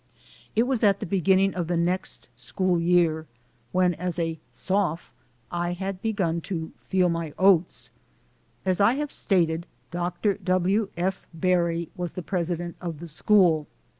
It was at the beginning of the next school year, when as a "soph" I had begun to "feel my oats." As I have stated, Dr. 166 THE SOUL OF AN IMMIGRANT W. F. Berry was the president of the school.